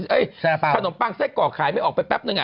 น้ำปังไส้กรอกขายไม่ออกไปแป๊บนึงอ่ะ